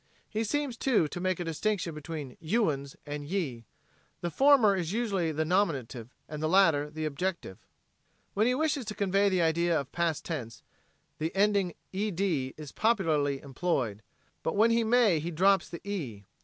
He seems, too, to make a distinction between "you uns" and "ye." The former is usually the nominative and the latter the objective. When he wishes to convey the idea of past tense, the ending "ed" is popularly employed, but when he may he drops the "e."